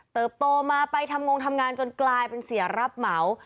โตมาไปทำงงทำงานจนกลายเป็นเสียรับเหมา